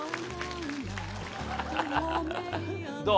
どう？